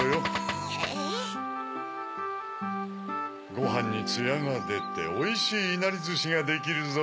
ごはんにツヤがでておいしいいなりずしができるぞよ。